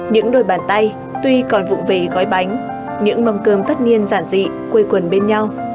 những đôi bàn tay tuy còn vụn về gói bánh những mâm cơm thất niên giản dị quây quần bên nhau